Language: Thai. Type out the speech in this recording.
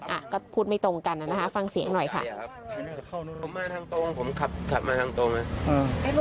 อ่ะก็พูดไม่ตรงกันนะฮะฟังเสียงหน่อยค่ะผมมาทางตรงผมขับขับมาทางตรงน่ะอืม